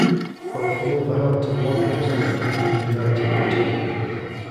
Both Wolverhampton Wanderers and Dundee United returned.